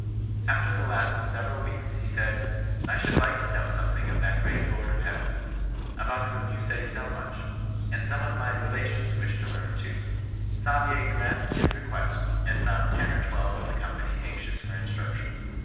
After the lapse of several weeks, he said, * I should like to know something of that great Lord of Heaven, about whom you say so much ; and some of my relations wish to learn too.' Saabye grant ed his request, and found ten or twelve of the company anxious for instruction.